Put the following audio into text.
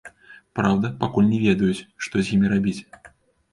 Праўда, пакуль не ведаюць, што з імі рабіць.